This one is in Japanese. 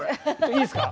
いいですか？